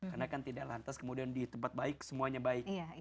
karena kan tidak lantas kemudian di tempat baik semuanya baik